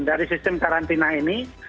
dari sistem karantina ini